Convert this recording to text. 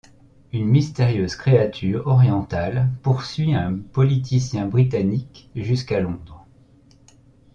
Une mystérieuse créature orientale poursuit un politicien britannique jusqu'à Londres.